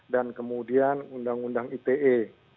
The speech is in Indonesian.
dan kemudian undang undang ite